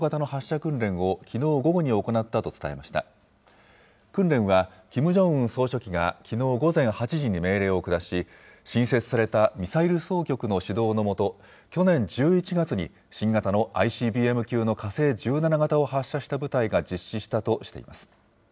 訓練は、キム・ジョンウン総書記がきのう午前８時に命令を下し、新設されたミサイル総局の指導のもと、去年１１月に、新型のＩＣＢＭ級の火星１７型を発射した部隊が実施したとしています。